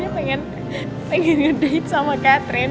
hanya ingin memberi ini untukmu sekarang